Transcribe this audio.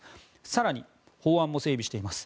更に、法案も整備しています。